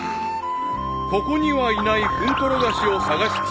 ［ここにはいないフンコロガシを探し続け